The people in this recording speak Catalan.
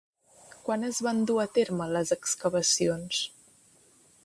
Quan es van dur a terme les excavacions?